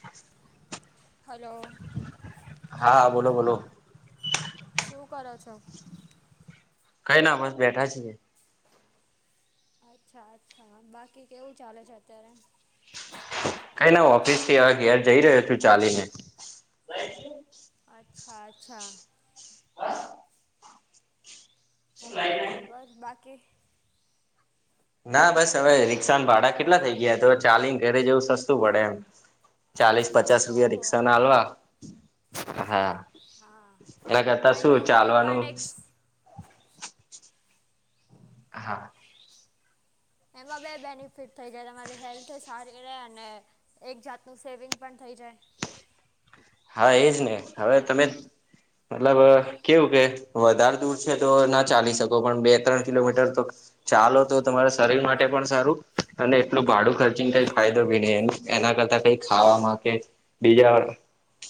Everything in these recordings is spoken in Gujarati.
હસ્ હલો હા બોલો બોલો. શું કરો છો? કઈ ના બસ બેઠા છીએ. અચ્છા અચ્છા બાકી કેવું ચાલે છે અત્યારે? કઈ ના ઓફિસથી હવે ઘેર જઈ રહ્યો છું ચાલીને. [inaudible] અચ્છા અચ્છા. બરોબર બાકી? ના બસ હવે રિક્ષાન ભાડા કેટલા થઈ ગયા તો ચાલીને ઘરે જવું સસ્તું પડે એમ. ચાલીસ પચાસ રૂપિયા ઓહો રિક્ષાના આલવા હા હા એના કરતા કાઇન્ડ શું ઓફ એ ચાલવાનું. પણ એક હા એમાં બે બેનિફિટ થઈ જાય તમારી હેલ્થે સારી રે અને એક જાતનું સેવિંગ પણ થઈ જાય. હા એજ ને હવે તમે મતલબ કેવું કે વધાર દૂર છે તો ના ચાલી શકો પણ બે ત્રણ કિલોમીટર તો ચાલો તો તમારા શરીર માટે પણ સારું અને એટલું ભાડું ખર્ચીને કઈ ફાયદો ભી નહી એનું એના કરતા કઈ ખાવામાં કે બીજા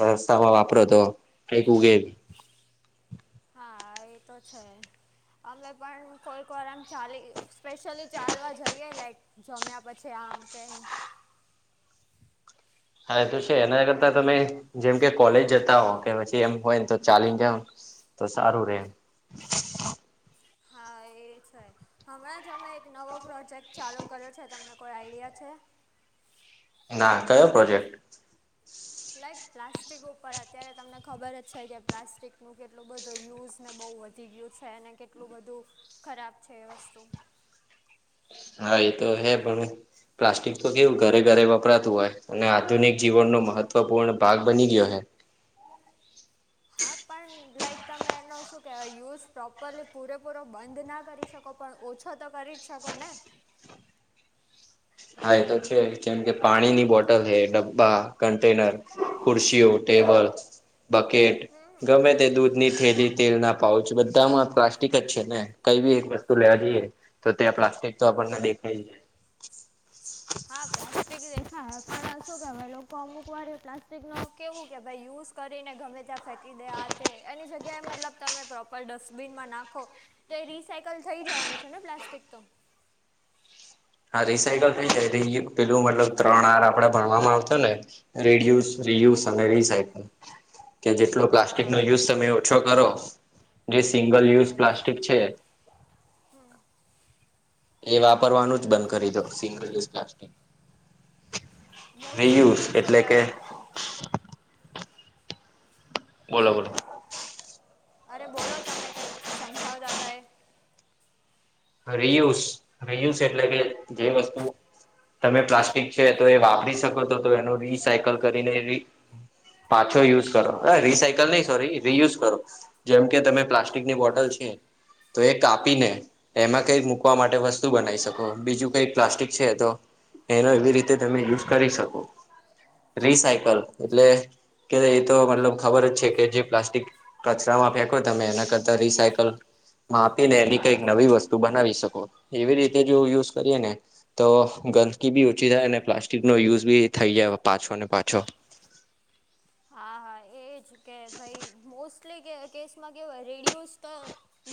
રસ્તામાં વાપરો તો કંઈક ઉગે. હા એ તો છે અમે પણ કોઈક વાર આમ ચાલી સ્પેશિયલી ચાલવા જઈએે લાઈક જમ્યા પછી આમ તેમ. હા એ તો છે એના કરતા તમે જેમ કે કોલેજ જતા હો કે પછી એમ હોય ને તો ચાલીને જાવ ન તો સારું રે એમ. હા એ છે. હમણાં જ અમે એક નવો પ્રોજેક્ટ ચાલુ કર્યો છે તમને કોઈ આઈડિયા છે? ના કયો પ્રોજેક્ટ? લાઈક પ્લાસ્ટિક ઉપર અત્યારે તમને ખબર જ છે કે પ્લાસ્ટિકનું કેટલો બધું યુઝને બહુ વધ વધી ગયું છે અને કેટલું બધું ખરાબ છે એ વસ્તુ. હા એ તો હે પણ પ્લાસ્ટિક તો કેવું ઘરે ઘરે વપરાતું હોય. અને આધુનિક જીવનનો મહત્વપૂર્ણ ભાગ બની ગયો હે. હા પણ લાઈક તમે એનો શું કેવાય યુઝ પ્રોપરલી પૂરેપૂરો બંધ ના કરી શકો. પણ ઓછો તો કરી જ શકો ને? હા એ તો છે જેમ કે પાણીની બોટલ હે ડબ્બા કન્ટેનર, ખુરશીઓ, ટેબલ, બકેટ ગમે તે દૂધ દૂધની થેલી, તેલના પાઉચ બધામાં પ્લાસ્ટિક જ છે ને કઈ બી એક વસ્તુ લેવા જઈએ. તો ત્યાં પ્લાસ્ટિક તો આપણને દેખાઈ જાય. હા પ્લાસ્ટિક દેખ હા પણ અ શું કે અમે લોકો અમુક વાર પ્લાસ્ટિકનો કેવું કે ભાઈ યુઝ કરીને ગમે ત્યાં ફેક કી દે આ તે એની જગ્યાએ મતલબ તમે પ્રોપર ડસ્ટબિનમાં નાખો તે રિસાઈકલ થઈ જવાનું છે ને પ્લાસ્ટિક તો. હા રિસાયકલ થઈ જાય રિયુ પેલું મતલબ ત્રણ આર આપડે ભણવામાં આવતાને રીડયુઝ હા રીયુસ અને રીસાઈકલ કે જેટલો પ્લાસ્ટિક નો હા યુઝ તમે ઓછો કરો જે સિંગલ યુઝ પ્લાસ્ટિક છે હમ્મ. એ વાપરવાનું જ બંધ કરી દો single use plastic. Reuse mostly શું એટલે કે કહેવાય બોલો બોલો. અરે બોલો તમે કઈક સમજાવતાતા એ. રિયુસ રિયુસ એટલે કે જે વસ્તુ તમે પ્લાસ્ટિક છે તો એ વાપરી શકો તો તો એનું રિસાયકલ કરીને રી પાછો યુઝ કરો રીસાયકલ નહી સોરી રિયુઝ કરો. જેમ કે તમે પ્લાસ્ટિકની બોટલ છે તો એ કાપીને એમાં કઈ મૂકવા માટે વસ્તુ બનાવી શકો બીજું કઈક પ્લાસ્ટિક છે તો એનો એવી રીતે તમે યુઝ કરી શકો. રિસાયકલ એટલે કે એ તો મતલબ ખબર જ છે કે જે પ્લાસ્ટિક કચરામાં ફેંકો તમે એના કરતા રિસાયકલ માં આપી ને એની કઈક નવી વસ્તુ તુ બનાવી શકો એવી રીતે જો યુઝ કરીએ ને તો ગંદકી બી ઓછી થાય અને પ્લાસ્ટિકનો યુઝ બી થઈ જાય પાછો ને પાછો. હા હા એજ કે ભાઈ મોસ્ટલી કેસમાં કેવુ હોય રિયુઝ તો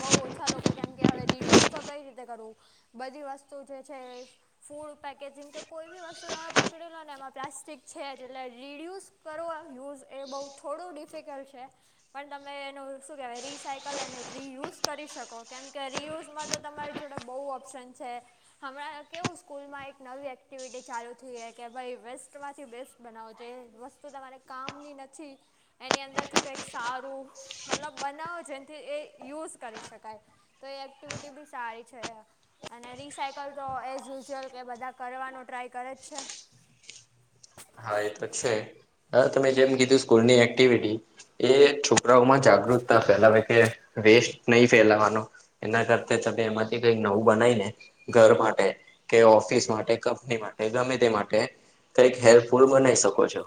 બહુ ઓછા લોકો કેમ કે હવે રીડ્યુસ તો કઈ રીતે કરવું. બધી વસ્તુ જે છે એ ફૂડ પેકેજિંગ કે કોઈ બી વસ્તુ તમે પકડી લો ને એમાં પ્લાસ્ટિક છે એટલે રીયુઝ કરો યુઝ એ બહુ થોડું ડિફિકલ્ટ છે. પણ તમે એનું શું કહેવાય રિસાયકલ અને રિયુઝ કરી શકો કેમ કે રિયુઝમાં તો તમારી જોડે બહુ ઓપ્શન છે. હમણાં કેવું સ્કૂલમાં એક નવી એક્ટિવિટી ચાલુ થઈ કે ભાઈ વેસ્ટમાંથી બેસ્ટ બનાવો જે વસ્તુ તમારે કામની નથી. એની અંદરથી કંઈક સારું મતલબ બનાવો જેથી એ યુઝ કરી શકાય. તો એ એક્ટિવિટી બી સારી છે. અને રિસાયકલ તો એઝયુઝુઅલ કે બધા કરવાનો ટ્રાય કરે જ છે. હા એ છે તમે જેમ કીધું સ્કૂલની એક્ટિવિટી એ છોકરાઓમાં જાગૃત ફેલાવે કે વેસ્ટ નહી ફેલાવાનું. એના કરતા તમે એમાંથી કઈક નવું બનાય ને ઘર માટે કે ઓફિસ માટે કંપની માટે ગમે તે માટે કય હેલ્પ ફુલ બનાવી શકો છો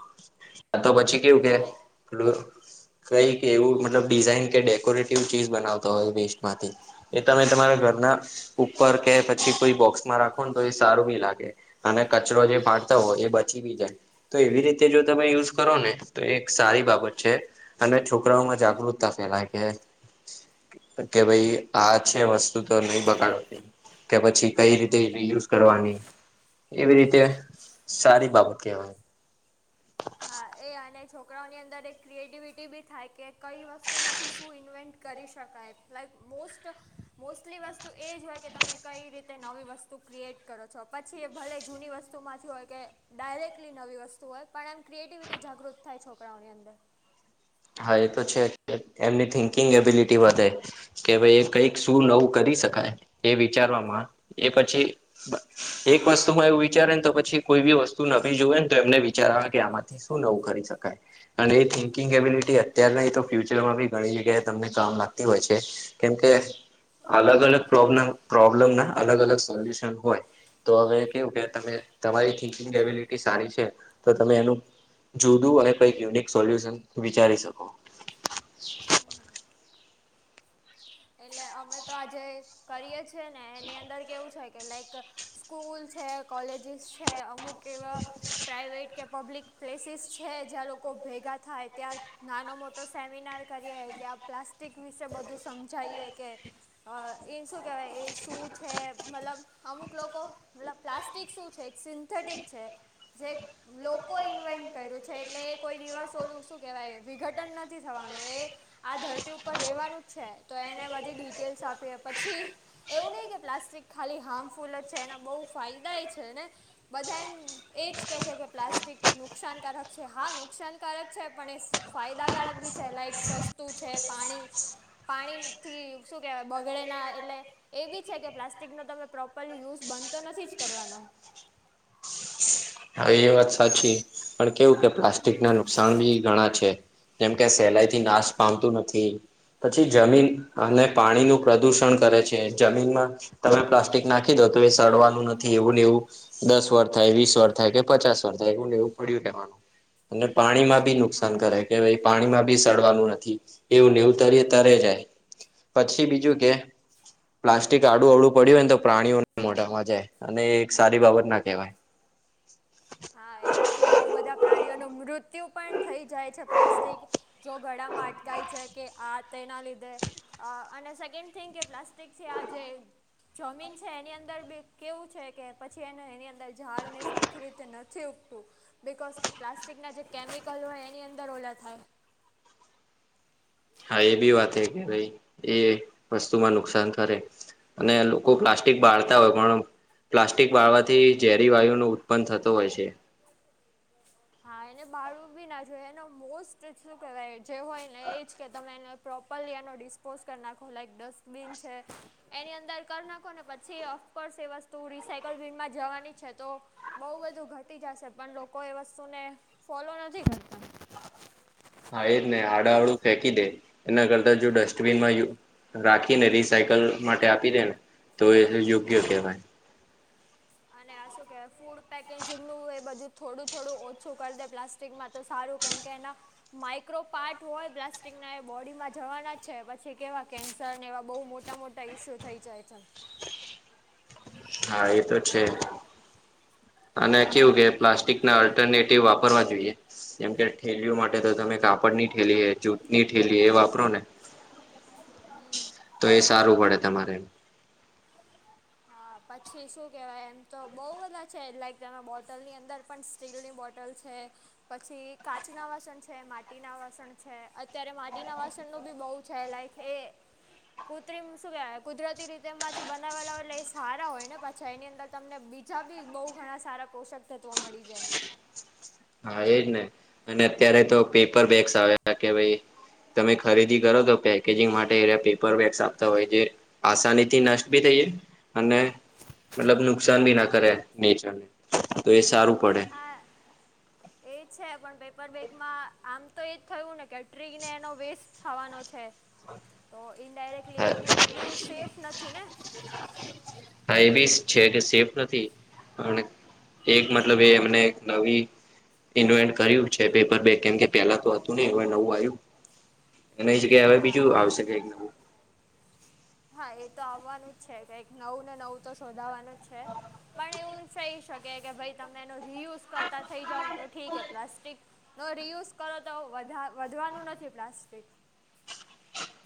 આ તો પછી કેવું કે હા પું કઈક એવું મતલબ ડિઝઇન કે ડેકોરેટિવ ચીઝ બનાવતો હોય વેસ્ટ માંથી. એ તમે તમારા ઘરના ઉપર કે પછી કોઈ બોક્સમાં રાખો ને તો એ સારું બી લાગે. અને કચરો જે પાડતા હોય એ બચી બી જાય. તો એવી રીતે જો તમે યુઝ કરો ને તો એક સારી બાબત છે. અને છોકરાઓમાં જાગૃતતા ફેલાય કે કે ભાઈ આ છે વસ્તુ નહી બગાડ કે પછી કઈ રીતે યુઝ કરવાની. એવી રીતે સારી બાબત કહેવાય. હા એ અને છોકરાઓની અંદર એક ક્રિએટિવિટી બી થાય કે કઈ વસ્તુમાંથી શું ઇન્વેન્ટ કરી શકાય લાઈક મોસ્ટ મોસ્ટલી વસ્તુ એ જ હોય કે તમે કઈ રીતે નવી વસ્તુ ક્રિએટ કરો છો. પછી એ ભલે જૂની વસ્તુમાંથી હોય કે ડાયરેક્ટલી નવી વસ્તુ હોય. પણ એમ ક્રિએટિવિટી જાગૃત થાય છોકરાઓની અંદર. હા એ તો છે એમની થિંકિંગ એબિલિટી વધે કે ભાઈ એક કઈક શું નવું કરી શકાય એ વિચારવામાં એ પછી એક વસ્તુ માં એવું વિચારે ને તો પછી કોઈ બી વસ્તુ નથી જોવે ને તો એમને વિચાર આવે કે આમાંથી શ નવું કરી શકાય. અને એ થીંકિંગ અબિલિટી અત્યારના તો ફ્યુચરમાં બી ઘણી જગ્યાએ તમને કામ લાગતી હોય છે. કેમ કે અલગ અલગ પ્રોબ્લેમ પ્રોબ્લમ ના અલગ અલગ સોલ્યુશન હોય. તો હવે કેવું કે તમે તમારી થિકિંગ કેબિલિટી સારી છે તો તમે એનું જુદું અને કઈક યુનિક સોલ્યુશન વિચારી શકો. એટલે અમે તો આજે કરીએ છીએ ને એની અંદર કેવું છે કે લાઈક સ્કૂલ છે કોલેજીસ છે અમુક એવા પ્રઇવેટ કે પબ્લિક પ્લેસીસ છે જ્યાં લોકો ભેગા થાય ત્યાં નાનો મોટો સેમિનાર કરીએ ત્યાં પ્લાસ્ટિક વિશે બધું સમજાઈએ કે અ એ શું કેહેવાય એ શું છે મતલબ અમુક લોકો મતલબ પ્લાસ્ટિક શું છે એક સિન્થેટિક છે જે લોકોએ ઇન્વાઈન્ટ કર્યું છે એટલે એ કોઈ દિવસ ઓલું શું કહેવાય વિઘટન નથી થવાનું એ આ ધરતી ઉપર રેવાનું જ છે તો એને બધી ડિટેલ્સ આપીએ પછી એવું નહી કે પ્લાસ્ટિક ખાલી હાર્મફુલ જ છે એના બહુ ફાયદા એ છે બધા એમ એજ કે છે કે પ્લાસ્ટિક નુકસાનકારક છે હા નુકસાનકારક છે પણ એ ફાયદાકારક બી છે લાઇક સસ્તું છે પાણી પાણીથી શું કહેવાય બગડેના એટલે એ બી છે કે પ્લાસ્ટિકનો તમે પ્રોપરલી યુઝ બંધ તો નથી જ કરવાના હા એ વાત સાચી પણ કેવું કે પ્લાસ્ટિક ના નુકસાન બી ઘણા છે. જેમ કે સહેલાઈ થી નાશ પામતું નથી. પછી જમીન અને પાણીનું પ્રદુષણ કરે છે જમીનમાં તમે પ્લાસ્ટિક નાખી દો તો એ સડવાનું નથી એવું ને એવું દસ વર્ષ થાય વીસ વર્ષ થાય કે પચાસ વાર થાય એવુ એવું પડ્યું રેવાનું અને પાણીમાં બી હા નુકસાન કરાય કે ભી પાણીમાં બી સડવાનું નથી એવું ને એવું તરે જાય. પછી બીજું કે પ્લાસ્ટિક આડું અવડું પડ્યું હોયને તો પ્રાણીઓને મોટામાં જાય અને એક સારી બાબત ના કહેવાય. હા એનાથી બઉ બધા પ્રાણીઓનું મૃત્યુ પણ થઈ જાય છે પ્લાસ્ટિક જો ગળામાં અટકાઈ જાય કે આ તેના લીધે અ અને સેકન્ડ થિંગ કે પ્લાસ્ટિક છે આ જેે જમીન છે એની અંદર બી કેવું છે કે પછી એને એની અંદર ઝાડ ને સરખરી તે નથી ઉગતું બિકોઝ કે પ્લાસ્ટિકના જે કેમિકલ હોય એની અંદર ઓલા થાય. હા એ બી વાત કે ભાઈ એ વસ્તુમાં નુકસાન કરે. અને લોકો પ્લાસ્ટિક એ બાળતા હોય પણ પ્લાસ્ટિક વાળવાથી ઝેરી વાયુ નુ ઉત્પન્ન થતો હોય છે. [inaudible] હા એને બાળું બી ના જોય એને મોસ્ટ શું કેહેવાય જે હોય ને એજ કે તમે એને પ્રોપરલી એનો ડિસ્પોઝ કરી નાખો લાઈક ડસ્ટબીન છે. એની અંદર કરી નાખો ને પછી ઓફકોર્સ એ વસ્તુ રિસાયકલનમાં જવાની છે તો બહુ બધું ઘટી જશે પણ લોકો એ વસ્તુને ફોલો નથી કરતા. હા એ જ ને હાડા અવળું ફેંકી દે એના કરતા જો ડસ્ટબિનમાં યુઝ રાખીને રિસાયકલ માટે આપી દે ને તો એ યોગ્ય કેહેવાય. અને શું કેહે ફૂડ પેકેજિંગનું એ બધું થોડું થોડું ઓછું કરી દે પ્લાસ સ્ટીલમાં તો સારું કેમ કે એના માઇક્રો પાર્ટ હોય પ્લાસ્ટિકના એ બોડીમાં જવાના જ છે પછી કેવા કેન્સર ને એવા બહુ મોટા મોટા ટઇ શો થઈ જાય છેન હા એ તો છે અને કેવું કે એવું પ્લાસ્ટિક ના [unintelligible] વાપરવા જોઈએ જેમ કે ઠેલીઓ માટે તો તમે કાપડ ની ઠેલી જૂતની ઠેલી એ વાપરો ને હમ્મ. તો એ સારું પડે તમારે એમ. હા પછી શું કેહેવાય એમ તો બહુ બધા છે લાઈક તમે બોટલ ની અંદર પણ સ્ટીલની બોટલ છે પછી કાચ ના વાસણ છે માટી ના વાસણ છે અત્યારે માટી ના વાસણનું બી બહુ છે લાઈક કે કૃત્રિમ શું કેવાય કુદરતી રીતે માંથી બનાવેલા એટલે સારા હોય ને પછા એની અંદર તમને બીજા બી બહુ ઘણા સારા પોષક તત્વો મળી જાય હા એજ ને અને અત્યારે તો પેપર બેગ્સ આવ કે ભાઈ તમે ખરીદી કરો તો પેકેજિંગ માટે એ પેપર બેગ્સ આપતા હોય જે આસાનીથી નષ્ટ બી થઈએ અને મતલબ નુકસાન ભી ના કરે નેચરને તો એ સારું પડે હા એ છે પણ પેપર બેેગમાં આમ તો એ જ થયું ને કે ટ્રી ને એનો વેસ્ટ થવાનો છે તો ઇન્ડાયરેક્ટલી એ બી એટલું સેફ નથી ને [inaudible] હાય બી છે કે સેફ નથી અને એક મતલબ એ એમને નવી ઇન્વેન્ટ કર્યું છે પેપર બેગ કેમ કે પેલા તો હતું નહી હવે નવું આવ્યું એ ની જગ્યા હવે હા બીજું એ આવશે કાયક નવું હા એ તો આવવાનું જ છે કઈક નવુ ને નવુ તો શોધાવાનું જ છે પણ એવું થઈ શકે કે ભાઈ તમે એનો રીયુઝ કરતા થઈ જાવને તો ઠીકે પ્લાસ્ટિક નો રિયુઝ કરો તો વધા વધવાનું નથી પ્લાસ્ટિક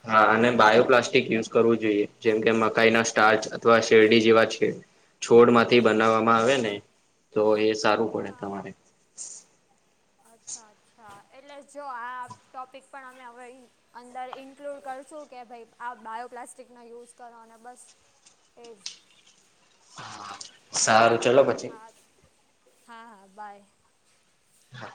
હા અને બાયોપ્લાસ્ટિક યુઝ કરવું જોઈએ જેમ કે મકાઈ ના સ્ટારચ અથવા શેરડી જેવા છે છોડ માંથી બનાવવામાં આવે ને તો એ સારું પડે હા તમારે અચ્છા અચ્છા એટલે જો આ ટોપિક પણ અમે હવે ઈ અંદર ઇન્ક્લુડ કરશું કે ભાઈ આ બાયોપ્લાસ્ટિક ના યુઝ કરવાના બસ એેજ સારું ચલો પ હા હા હા બાય હા